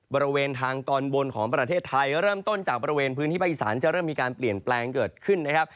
บริเวณทางตอนบนของประเทศไทยเริ่มต้นจากบริเวณพื้นที่ภาคอีสานจะเริ่มมีการเปลี่ยนแปลงเกิดขึ้นนะครับ